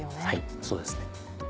はいそうですね。